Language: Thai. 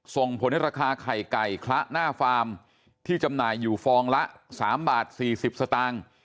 ส่งผลให้ราคาไข่ไก่คละหน้าฟาร์มที่จำหน่ายอยู่ฟองละ๓บาท๔๐สตางค์